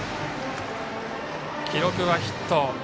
記録はヒット。